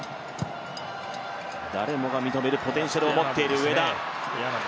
誰もが認めるポテンシャルを持っている上田。